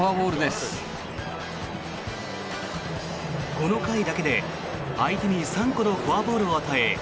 この回だけで相手に３個のフォアボールを与え